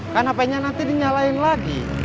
kan hp nya nanti dinyalain lagi